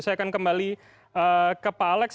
saya akan kembali ke pak alex